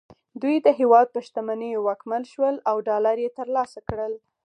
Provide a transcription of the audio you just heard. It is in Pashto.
دوی د هېواد په شتمنیو واکمن شول او ډالر یې ترلاسه کړل